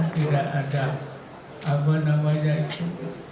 tidak ada apa namanya itu